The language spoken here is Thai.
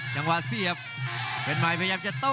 จังหวะเสียบเป็นใหม่พยายามจะโต้